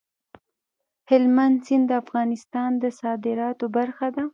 هلمند سیند د افغانستان د صادراتو برخه ده.